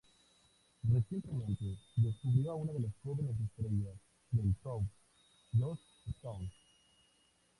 Recientemente descubrió a una de las jóvenes estrellas del soul, Joss Stone.